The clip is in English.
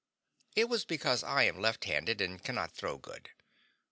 It was because I am left handed and cannot throw good.